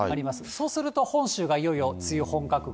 そうすると、本州がいよいよ梅雨本格化。